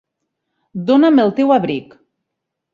Dona'm el teu abric.